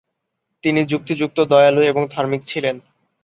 তিনি যুক্তিযুক্ত, দয়ালু এবং ধার্মিক ছিলেন।